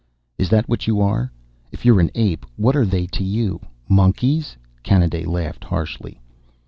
"Is that what you are? If you're an ape, what are they to you? Monkeys?" Kanaday laughed harshly.